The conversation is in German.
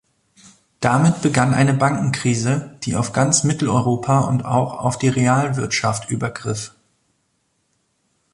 Damit begann eine Bankenkrise, die auf ganz Mitteleuropa und auch auf die Realwirtschaft übergriff.